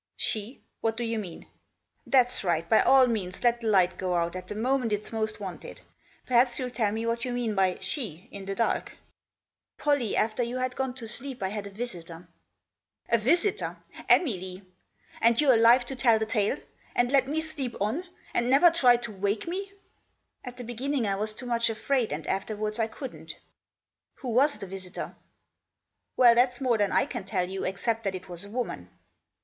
"She? What do you mean? That's right ! By all means let the light go out at the moment it's most wanted. Perhaps you'H tell me what you mean by •she' in the dark." "Pollie, after you had gone to sleep I had a visitor." Digitized by 188 THE JOSS. "A visitor ! Emily ! And you're alive to tell the tale! And let me sleep on! And never tried to wake ma ! M "At the beginning I was too much afraid, and afterward* I couldn't." " Who wa9 the visitor?" " Well, that's more than I can tell you, except that it was a woman."